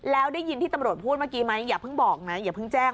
แล้วได้ยินที่ตำรวจพูดเมื่อกี้ไหมอย่าเพิ่งบอกนะอย่าเพิ่งแจ้ง